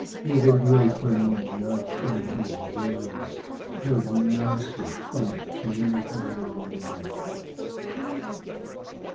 May the great Final Judge and His juries Have mercy on "Gentleman, One"!